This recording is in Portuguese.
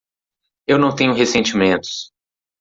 Eu não tenho ressentimentos.